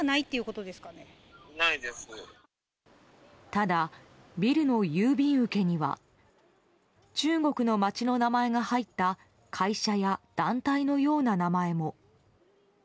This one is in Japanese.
ただ、ビルの郵便受けには中国の街の名前が入った会社や団体のような名前も。